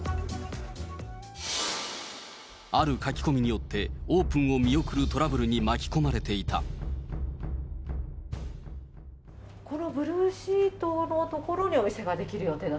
ある書き込みによってオープンを見送るトラブルに巻き込まれていこのブルーシートの所にお店はい。